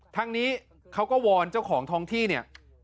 ทั้งนี้เขาก็วอนเจ้าของท้องที่เนี่ย